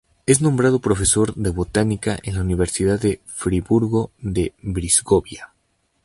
Es nombrado profesor de botánica en la universidad de Friburgo de Brisgovia.